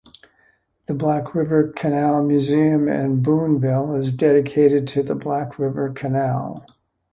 The Black River Canal Museum in Boonville is dedicated to the Black River Canal.